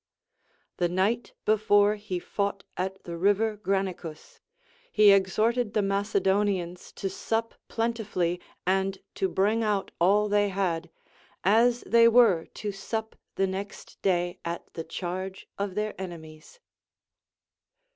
The night before he fought at the river Granicus, he exhorted the ]Macedonians to sup plentifully and to bring out all tliey had, as they were to sup the next day at the charge of their enemies.